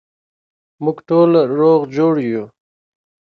موږ ټوله روغ جوړ یو